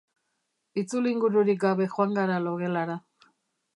Itzulingururik gabe joan gara logelara.